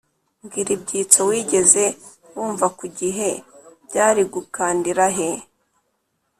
mbwira ibyitso wigeze wumva ku gihe byari gukandira he